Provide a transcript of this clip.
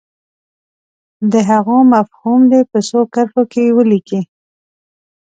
د هغو مفهوم دې په څو کرښو کې ولیکي.